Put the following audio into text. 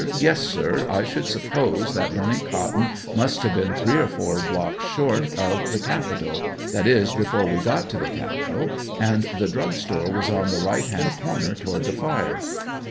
Yes, sir; I should suppose that burning cotton must have been three or four blocks short of the ca pitol ; that is, before we got to the capitol, and the drug store was on the right hand corner toward the fire.